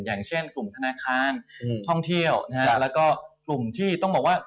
อย่างเช่นกลุ่มธนาคารท่องเที่ยวแล้วก็กลุ่มที่ต้องบอกว่า